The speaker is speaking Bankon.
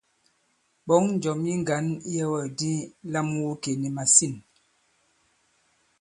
Ɓɔ̌ŋ njɔ̀m yi ŋgǎn iyɛ̄wɛ̂kdi lam wu ikè nì màsîn.